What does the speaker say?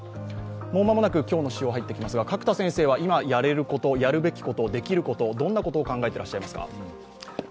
間もなく今日の資料入ってきますが角田先生、今やれること、やるべきこと、どんなことを考えていらっしゃいますか？